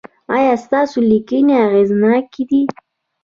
ایا ستاسو لیکنې اغیزناکې دي؟